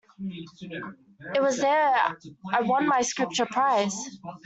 It was there I won my Scripture prize.